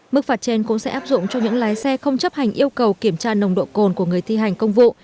mức phạt trên cũng sẽ áp dụng cho những lái xe không chấp hành yêu cầu kiểm tra nồng độ cồn của người thi hành công vụ